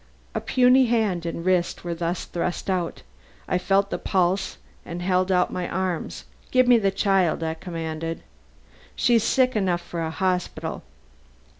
A puny hand and wrist were thrust out. I felt the pulse and then held out my arms. 'Give me the child,' I commanded. 'She's sick enough for a hospital.'